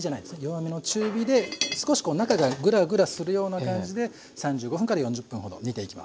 弱めの中火で少しこう中がグラグラするような感じで３５分４０分ほど煮ていきます。